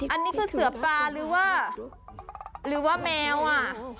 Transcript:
อันนี้คือเสือปลาหรือว่าหรือว่าแมวอ่ะ